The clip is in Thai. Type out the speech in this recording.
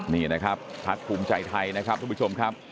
นี่นะครับพักภูมิใจไทยนะครับทุกผู้ชมครับ